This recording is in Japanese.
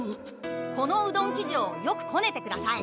このうどん生地をよくこねてください。